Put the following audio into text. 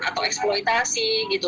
atau eksploitasi gitu